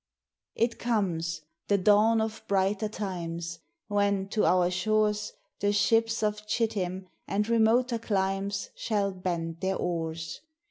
It comes! the dawn of brighter times When, to our shores, The ships of Chittim and remoter climes Shall bend their oars!